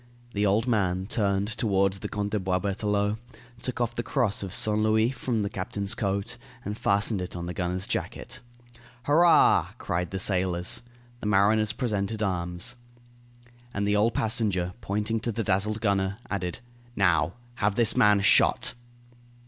The old man turned toward the Count de Boisberthelot, took off the cross of Saint Louis from the captain's coat and fastened it on the gunner's jacket. "Hurrah!" cried the sailors. The mariners presented arms. And the old passenger, pointing to the dazzled gunner, added: "Now, have this man shot."